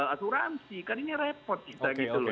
asuransi kan ini repot kita gitu loh